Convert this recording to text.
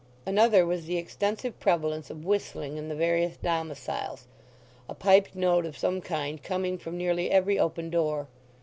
Another was the extensive prevalence of whistling in the various domiciles—a piped note of some kind coming from nearly every open door.